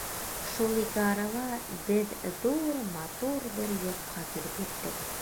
Шул ике арала беҙ ҙур матур бер йортҡа килеп еттек.